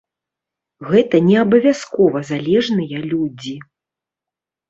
Гэта не абавязкова залежныя людзі.